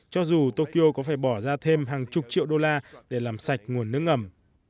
cho dù tokyo có phải bỏ ra thêm hàng chục triệu đô la để làm sạch nguồn nước ngầm